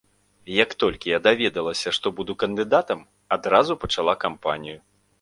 Як толькі я даведалася, што буду кандыдатам, адразу пачала кампанію.